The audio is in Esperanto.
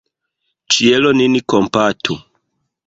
Ĉielo nin kompatu!